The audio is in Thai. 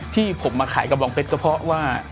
ที่ผมมาขายกระบองเพชรก็เพราะว่า